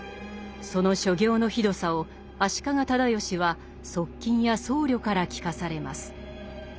その所業のひどさを足利直義は側近や僧侶から聞かされます。